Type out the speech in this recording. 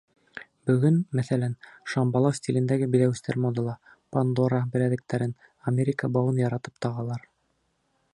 Бөгөн, мәҫәлән, шамбала стилендәге биҙәүестәр модала, пандора беләҙектәрен, Америка бауын яратып тағалар.